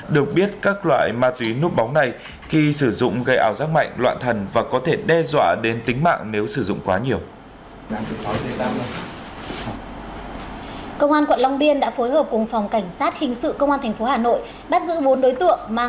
được biết các loại ma túy núp bóng này khi sử dụng gây ảo giác mạnh loạn thần và có thể đe dọa đến tính mạng nếu sử dụng quá nhiều